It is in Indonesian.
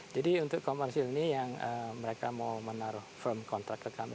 jadi untuk komersil ini yang mereka mau menaruh firm kontrak ke kami